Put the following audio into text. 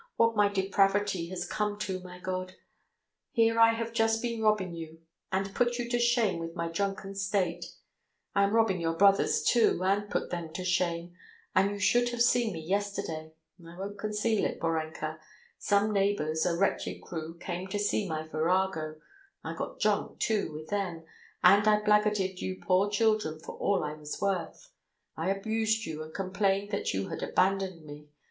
... What my depravity has come to, my God. Here I have just been robbing you, and put you to shame with my drunken state; I am robbing your brothers, too, and put them to shame, and you should have seen me yesterday! I won't conceal it, Borenka. Some neighbours, a wretched crew, came to see my virago; I got drunk, too, with them, and I blackguarded you poor children for all I was worth. I abused you, and complained that you had abandoned me.